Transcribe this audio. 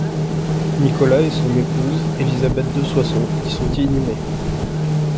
Nicolas et son épouse, Elisabeth de Soissons, y sont inhumés.